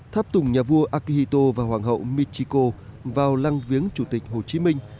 tháp tùng nhà vua akihito và hoàng hậu michiko vào lăng viếng chủ tịch hồ chí minh